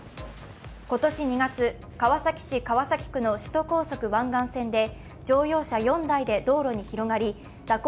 今年２月、川崎市川崎区の首都高速湾岸線で乗用車４台で道路に広がり蛇行